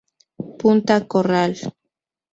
Punta Corral.